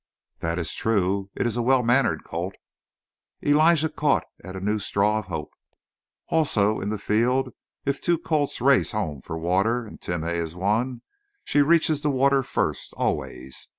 "That is true. It is a well mannered colt." Elijah caught at a new straw of hope. "Also, in the field, if two colts race home for water and Timeh is one, she reaches the water first always.